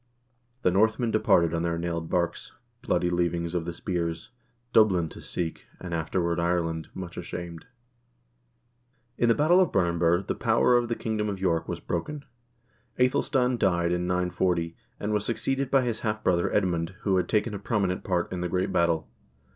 The Northmen departed on their nailed barks, bloody leavings of the spears, Dublin to seek, and afterward Ireland, much ashamed." In the battle of Brunanburh the power of the kingdom of York was broken. /Ethelstan died in 940, and was succeeded by his half brother Edmund, who had taken a prominent part in the great battle.